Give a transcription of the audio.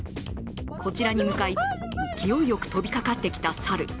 こちらに向かい、勢いよく飛びかかってきた猿。